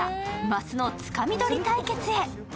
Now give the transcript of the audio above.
マスのつかみ取り対決へ。